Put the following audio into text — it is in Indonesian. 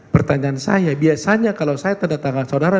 pertanyaan saya biasanya kalau saya tanda tangan saudara